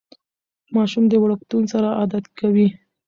ماشوم د وړکتون سره عادت کوي.